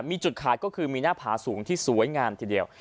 มีจุดขายก็คือมีหน้าผาสูงที่สวยงามทีเดียว